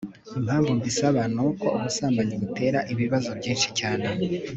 impamvu mbisaba, nuko ubusambanyi butera ibibazo byinshi cyane